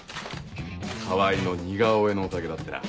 川合の似顔絵のおかげだってな。